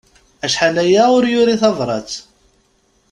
Acḥal aya ur yuri tabrat.